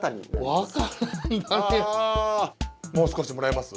もう少しもらえます？